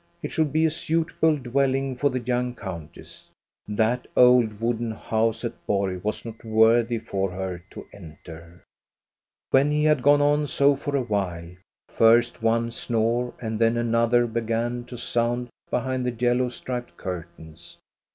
It should be a suitable dwelling for the young countess. That old wooden house at Borg was not worthy for her to enter. When he had gone on so for a while, first one snore and then another began to sound behind the yellow striped curtains.